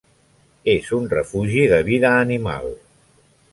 És un refugi de vida animal.